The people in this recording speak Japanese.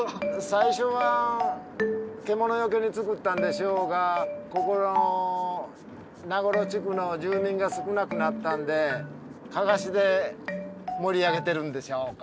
最初は獣よけに作ったんでしょうがここらの名頃地区の住民が少なくなったんでかかしで盛り上げてるんでしょうか。